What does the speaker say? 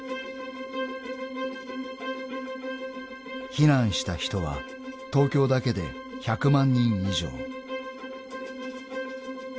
［避難した人は東京だけで１００万人以上］